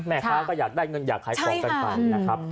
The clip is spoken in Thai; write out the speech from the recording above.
แม่ค้าก็อยากได้เงินอยากขายของกันไปนะครับ